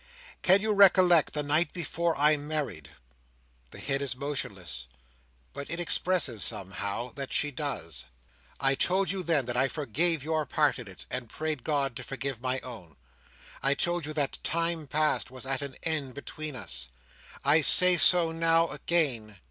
"Can you recollect the night before I married?" The head is motionless, but it expresses somehow that she does. "I told you then that I forgave your part in it, and prayed God to forgive my own. I told you that time past was at an end between us. I say so now, again.